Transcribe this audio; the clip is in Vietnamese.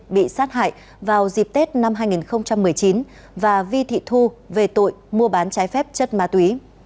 bị sát hại vào dịp tết năm hai nghìn một mươi chín và vi thị thu về tội mua bán trái phép chất ma túy